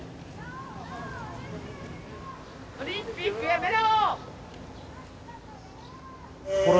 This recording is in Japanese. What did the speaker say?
オリンピックやめろ！